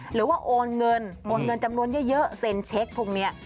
โอนเงินโอนเงินจำนวนเยอะเซ็นเช็คพวกนี้